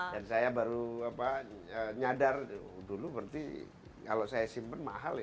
dan saya baru nyadar dulu berarti kalau saya simpen mahal